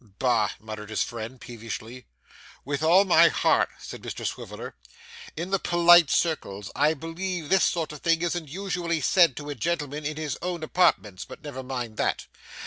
'Bah!' muttered his friend, peevishly. 'With all my heart,' said Mr Swiveller. 'In the polite circles I believe this sort of thing isn't usually said to a gentleman in his own apartments, but never mind that.